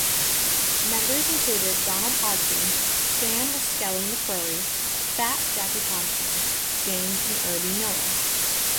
Members included Donald Hodgen, Sam "Skelly" McCrory, "Fat" Jackie Thompson, James and Herbie Millar.